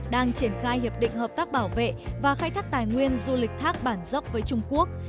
đang triển khai hiệp định hợp tác bảo vệ và khai thác tài nguyên du lịch thác bản dốc với trung quốc